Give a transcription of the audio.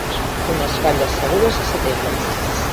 Unes falles segures a setembre.